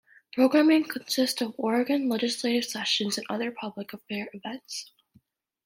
Programming consists of Oregon legislative sessions and other public affairs events.